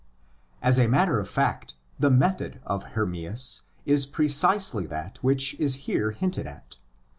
As a matter of fact, the method of Hermias is precisely that which is here hinted at.